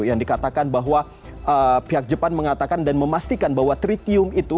yang dikatakan bahwa pihak jepang mengatakan dan memastikan bahwa tritium itu